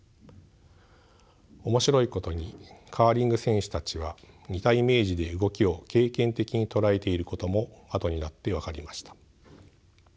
面白いことにカーリング選手たちは似たイメージで動きを経験的に捉えていることもあとになって分かりました。